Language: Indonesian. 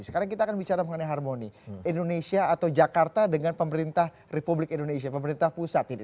sekarang kita akan bicara mengenai harmoni indonesia atau jakarta dengan pemerintah republik indonesia pemerintah pusat ini